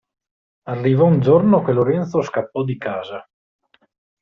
Arrivò un giorno che Lorenzo scappò di casa.